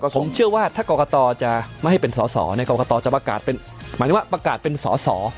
ผมเชื่อว่าถ้ากรกตจะไม่ให้เป็นสอสอในกรกตจะประกาศเป็นหมายถึงว่าประกาศเป็นสอสอ